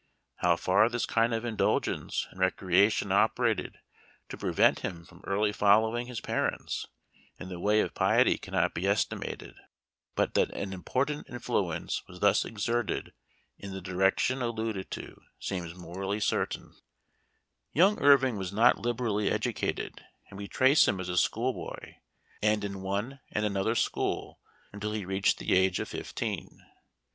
How far this kind of indulgence and recreation operated to prevent him from early following his parents in the way of piety cannot be estimated ; but that an important influence was thus exerted in the direction alluded to seems morally certain. 20 Memoir of Washington Irving. Young Irving was not liberally educated ; and we trace him as a school boy, and in one and another school, until he reached the age of fifteen.